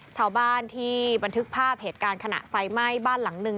ชาวบ้านที่บันทึกภาพเหตุการณ์ขณะไฟไหม้บ้านหลังหนึ่ง